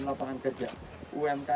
umkm terperdayakan digitalisasi kita utamakan